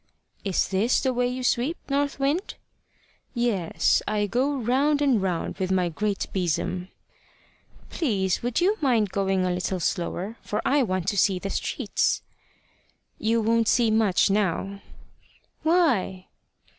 "Is this the way you sweep, North Wind?" "Yes; I go round and round with my great besom." "Please, would you mind going a little slower, for I want to see the streets?" "You won't see much now." "Why?"